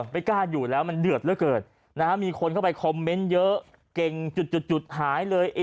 ไม่กล้าอยู่แล้วมันเดือดเหลือเกินมีคนเข้าไปคอมเมนต์เยอะเก่งจุดหายเลย